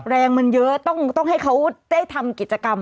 แรงมันเยอะต้องให้เขาได้ทำกิจกรรม